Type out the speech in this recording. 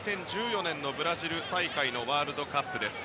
２０１４年のブラジル大会のワールドカップです。